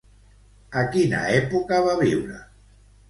A quina època va viure?